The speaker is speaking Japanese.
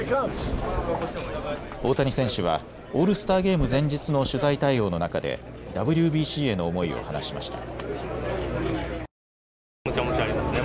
大谷選手はオールスターゲーム前日の取材対応の中でＷＢＣへの思いを話しました。